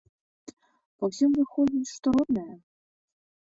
Па ўсім выходзіць, што родная.